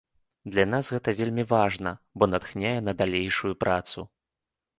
Для нас гэта вельмі важна, бо натхняе на далейшую працу.